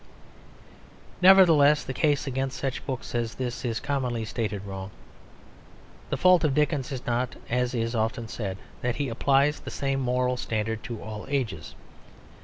Nevertheless the case against such books as this is commonly stated wrong. The fault of Dickens is not (as is often said) that he "applies the same moral standard to all ages."